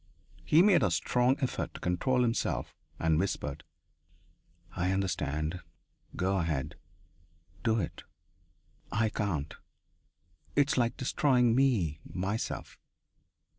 He made a strong effort to control himself and whispered: "I understand. Go ahead. Do it. I can't. It is like destroying me myself....